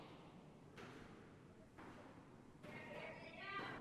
Jo, to máte pravdu.